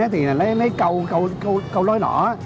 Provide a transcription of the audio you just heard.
thì lấy câu lối nỏ